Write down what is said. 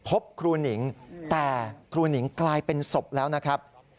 พบครูหนิงแต่ครูหนิงกลายเป็นศพแล้วนะครับ